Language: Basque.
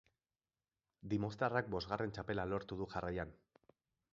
Dimoztarrak bostgarren txapela lortu du jarraian.